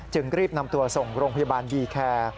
รีบนำตัวส่งโรงพยาบาลยีแคร์